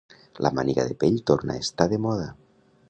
La màniga de pell torna a estar de moda.